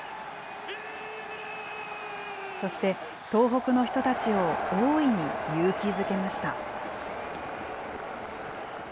そして、東北の人たちを大いに勇気づけました。